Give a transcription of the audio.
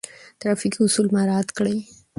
ترافیکي اصول مراعات کړئ.